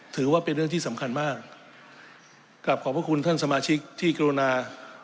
ถือว่าเป็นเรื่องที่สำคัญมากกลับขอบพระคุณท่านสมาชิกที่กรุณา